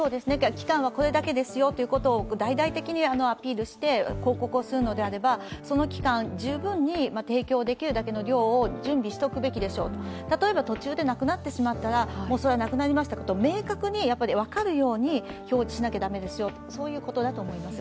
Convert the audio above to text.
期間はこれだけですよと大々的にアピールして広告をするのであれば、その期間十分に提供できるだけの量を準備しておくべきでしょう、例えば途中でなくなってしまったら、それはなくなりましたよと明確に分かるように表示しなきゃ駄目ですよということだと思います。